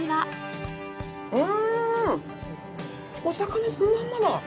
うーんお魚そのまんまだ！